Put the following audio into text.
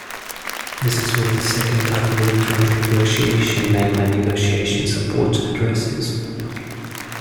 This is what the second type of Electronic negotiation, namely Negotiation Support, addresses.